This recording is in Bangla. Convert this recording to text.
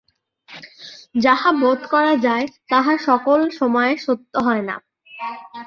যাহা বােধ করা যায় তাহা সকল সময়ে সত্য হয় না!